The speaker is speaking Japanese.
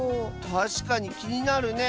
たしかにきになるね。